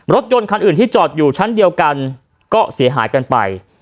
รถยนต์คันอื่นที่จอดอยู่ชั้นเดียวกันก็เสียหายกันไป